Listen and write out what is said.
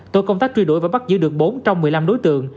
tổ công tác truy đuổi và bắt giữ được bốn trong một mươi năm đối tượng